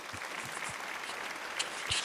Posee aeropuerto.